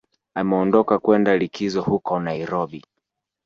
Ameondoka kwenda likizo huko Nairobi